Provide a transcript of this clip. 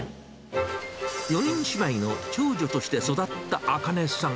４人姉妹の長女として育ったあかねさん。